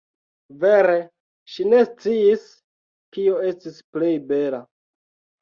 Vere, ŝi ne sciis, kio estis plej bela.